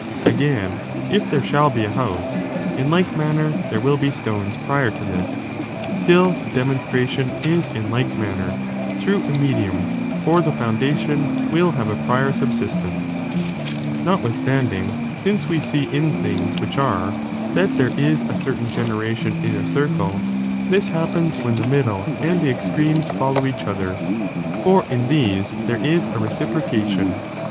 Again, if there sliall be s house, in like manner there will be stones prior to this, still the demonstration is in like manner through a medium, for the foundation will have a prior subsistenee. 6. Thinga ge Notwithstanding, since we see in things which reraadiDBcii are, that there is a certain generation in a circle,! artmiiBrJe this happens when the middle and the extremes fol f^rrau™' low each other, for in these there ia a reciprocation i »ib.